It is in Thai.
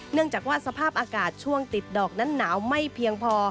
เนื่องจากว่าสภาพอากาศช่วงติดดอกนั้นหนาวไม่เพียงพอ